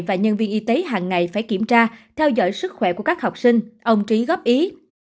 và nhân viên y tế hàng ngày phải kiểm tra theo dõi sức khỏe của các học sinh ông trí góp ý